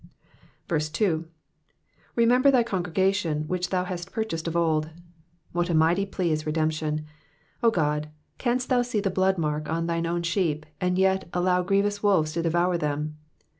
2. ^''Jiemembei' thy congregation^ which thou hast purcJia sed of old." What a mighty plea is redemption. O God, canst thou see the bloodmark on thine own sheep, and yet allow grievous wolves to devour them